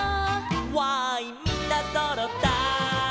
「わーいみんなそろったい」